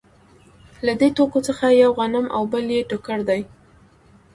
له دې توکو څخه یو غنم او بل یې ټوکر دی